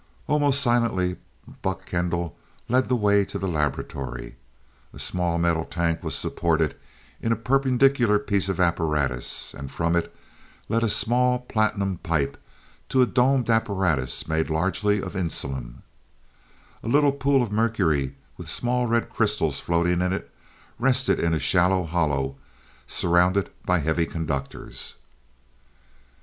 Almost silently, Buck Kendall led the way to the laboratory. A small metal tank was supported in a peculiar piece of apparatus, and from it led a small platinum pipe to a domed apparatus made largely of insulum. A little pool of mercury, with small red crystals floating in it rested in a shallow hollow surrounded by heavy conductors.